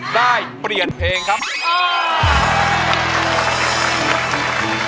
ได้เปลี่ยนเพลงครับ